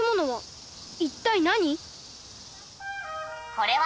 「これは」